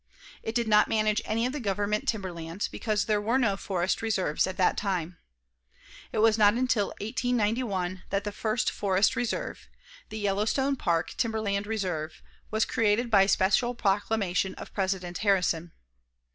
It did not manage any of the Government timberlands because there were no forest reserves at that time. It was not until 1891 that the first forest reserve, the Yellowstone Park Timberland Reserve, was created by special proclamation of President Harrison.